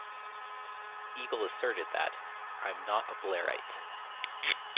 Eagle asserted that: I'm not a Blairite.